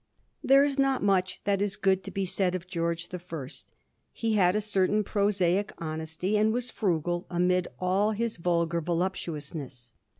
There is not much that is good to be said of George the First. He had a certain prosaic honesty, and was firugal amid all his vulgar voluptuousness.